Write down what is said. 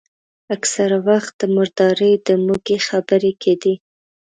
اکثره وخت د مردارۍ د موږي خبرې کېدې.